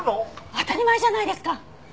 当たり前じゃないですか！